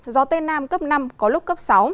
gió tây nam cấp năm có lúc cấp sáu